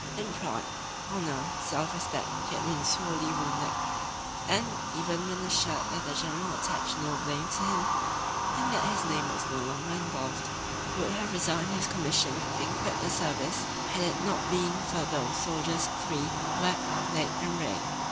In pride, honor, self respect, he had been sorely wounded, and, even when assured that the general attached no blame to him, and that his name was no longer involved, he would have resigned his commission and quit the service had it not been for these soldiers three, Webb, Blake and Ray.